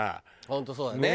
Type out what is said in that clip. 本当そうだね。